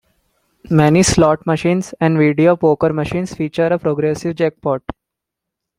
Many slot machines and video poker machines feature a progressive jackpot.